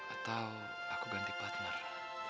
atau aku ganti partner